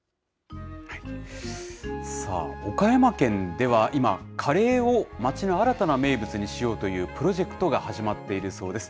さあ、岡山県では今、カレーを町の新たな名物にしようというプロジェクトが始まっているそうです。